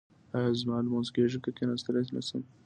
ایا زما لمونځ کیږي که کیناستلی نشم؟